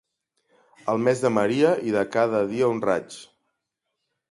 El mes de Maria i de cada dia un raig.